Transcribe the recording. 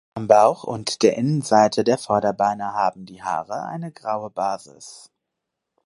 Am Bauch und der Innenseite der Vorderbeine haben die Haare eine graue Basis.